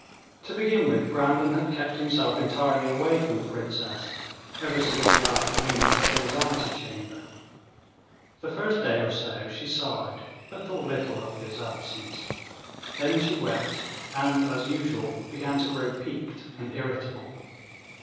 To begin with, Brandon had kept himself entirely away from the princess ever since the afternoon at the king's ante chamber. The first day or so she sighed, but thought little of his absence; then she wept, and as usual began to grow piqued and irritable.